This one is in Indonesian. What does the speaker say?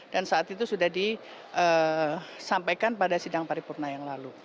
dan saat itu sudah disampaikan pada sidang paripurna yang lalu